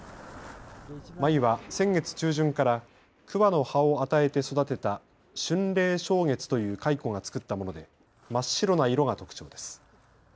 繭は先月中旬から桑の葉を与えて育てた春嶺鐘月という蚕が作ったもので真っ白な色が特徴です。